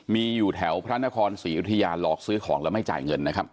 มีอยู่แถวพระนครศรีอยุธยาหลอกซื้อของแล้วไม่จ่ายเงินนะครับ